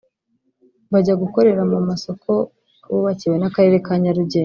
bajya gukorera mu masoko bubakiwe n’Akarere ka Nyarugenge